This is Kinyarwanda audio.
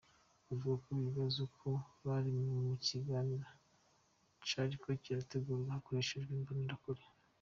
Bavuga ko bibaza ko bari mu kiganiro cariko kirategurwa hakoreshejwe imbonerakure.